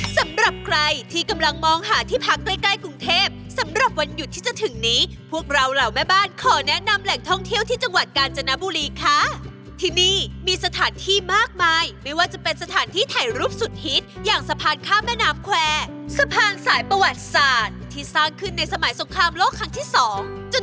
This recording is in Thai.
สำหรับใครที่กำลังมองหาที่พักใกล้ใกล้กรุงเทพสำหรับวันหยุดที่จะถึงนี้พวกเราเหล่าแม่บ้านขอแนะนำแหล่งท่องเที่ยวที่จังหวัดกาญจนบุรีค่ะที่นี่มีสถานที่มากมายไม่ว่าจะเป็นสถานที่ถ่ายรูปสุดฮิตอย่างสะพานข้ามแม่น้ำแควร์สะพานสายประวัติศาสตร์ที่สร้างขึ้นในสมัยสงครามโลกครั้งที่สองจน